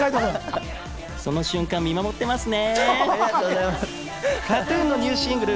その瞬間を見守ってますね。